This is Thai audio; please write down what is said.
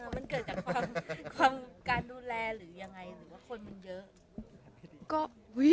มันเกิดจากความการดูแลหรือยังไงหรือว่าคนมันเยอะ